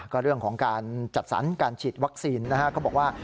ก็เรื่องของการจัดสรรการฉีดวัคซีนนะฮะเขาบอกว่า